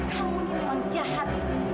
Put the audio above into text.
kamu ini memang jahat